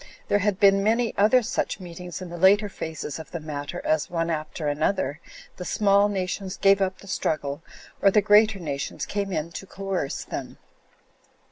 There had been many other such meetings in the later phases of the matter as, one after another, the smaller nations gave up the struggle, or the greater nations came in to coerce them.